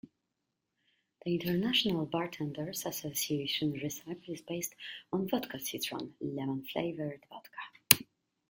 The International Bartenders Association recipe is based on vodka citron, lemon-flavored vodka.